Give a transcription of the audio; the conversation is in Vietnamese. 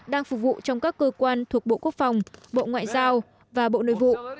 đang phục vụ trong các cơ quan thuộc bộ quốc phòng bộ ngoại giao và bộ nội vụ